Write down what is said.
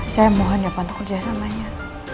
saya mohon ya pak untuk kerja sama dia